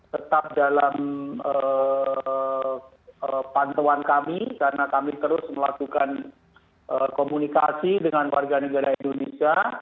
tetap dalam pantauan kami karena kami terus melakukan komunikasi dengan warga negara indonesia